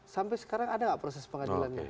sampai sekarang ada nggak proses pengadilannya